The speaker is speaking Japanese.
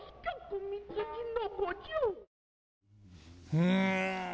うん。